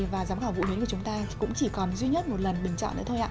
và giám khảo vũ huyến của chúng ta cũng chỉ còn một lần bình chọn